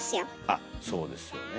あっそうですよね。